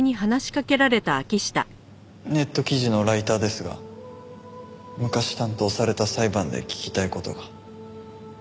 ネット記事のライターですが昔担当された裁判で聞きたい事が。